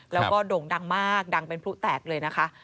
แล้วก็โด่งดังมากดังเป็นพลุแตกเลยนะคะ